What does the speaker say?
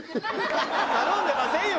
「頼んでませんよ